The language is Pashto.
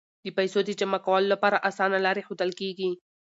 د پیسو د جمع کولو لپاره اسانه لارې ښودل کیږي.